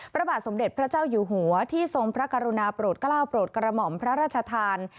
พระบาทสมเด็จพระเจ้าอยู่หัวที่ทรงพระกรุณาโปรดกล้าวโปรดกระหม่อมพระราชทาน